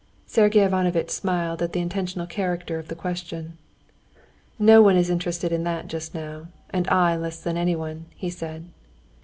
Sergey Ivanovitch smiled at the intentional character of the question. "No one is interested in that now, and I less than anyone," he said.